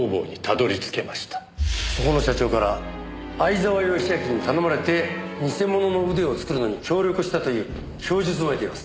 そこの社長から相沢良明に頼まれて偽物の腕を作るのに協力したという供述も得ています。